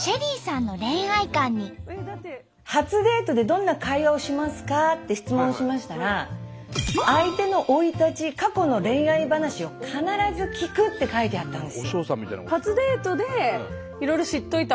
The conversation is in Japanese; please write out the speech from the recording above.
ここで話は変わりって質問をしましたら「相手の生い立ち過去の恋愛話を必ず聞く」って書いてあったんです。